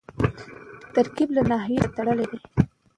ترکیب له نحوي سره تړلی دئ.